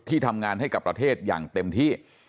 ทำงานให้กับประเทศอย่างเต็มที่